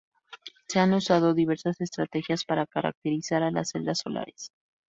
Se han usado diversas estrategias para caracterizar a las celdas solares.